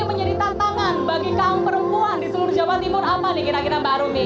ini menjadi tantangan bagi kaum perempuan di seluruh jawa timur apa nih kira kira mbak arumi